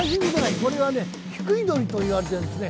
これはヒクイドリと言われているんですね。